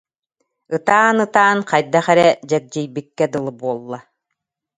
Ытаан-ытаан хайдах эрэ дьэгдьийбиккэ дылы буолла